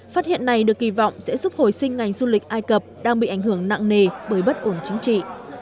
phát hiện này được kỳ vọng sẽ giúp hồi sinh ngành du lịch ai cập đang bị ảnh hưởng nặng nề bởi bất ổn chính trị